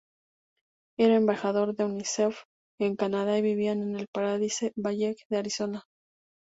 Era embajador de Unicef en Canadá y vivía en el Paradise Valley de Arizona.